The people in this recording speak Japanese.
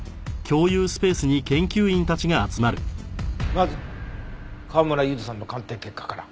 まず川村ゆずさんの鑑定結果から。